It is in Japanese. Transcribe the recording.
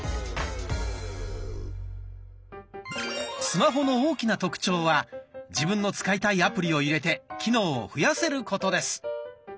スマホの大きな特徴は自分の使いたいアプリを入れて機能を増やせることです。